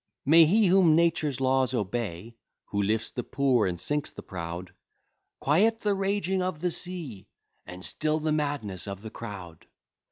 May he, whom Nature's laws obey, Who lifts the poor, and sinks the proud, "Quiet the raging of the sea, And still the madness of the crowd!"